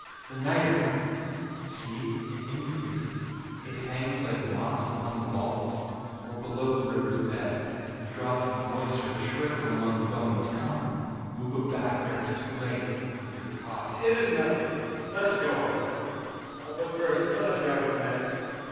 âThe nitre!â I said: âsee, it increases. It hangs like moss upon the vaults. We are below the riverâs bed. The drops of moisture trickle among the bones. Come, we will go back ere it is too late. Your coughââ âIt is nothing,â he said; âlet us go on. But first, another draught of the Medoc.